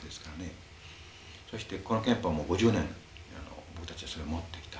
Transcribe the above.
そしてこの憲法も５０年僕たちはそれを持ってきた。